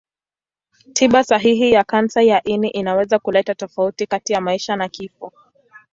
Tiba sahihi ya kansa ya ini inaweza kuleta tofauti kati ya maisha na kifo.